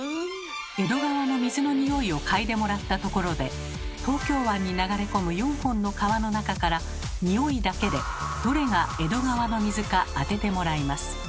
江戸川の水のニオイを嗅いでもらったところで東京湾に流れ込む４本の川の中からニオイだけでどれが江戸川の水か当ててもらいます。